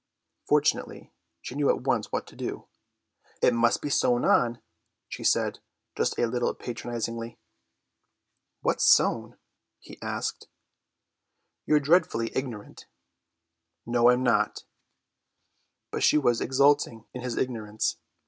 Fortunately she knew at once what to do. "It must be sewn on," she said, just a little patronisingly. "What's sewn?" he asked. "You're dreadfully ignorant." "No, I'm not." But she was exulting in his ignorance.